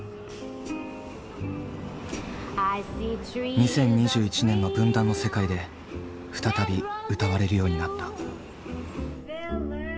２０２１年の分断の世界で再び歌われるようになった。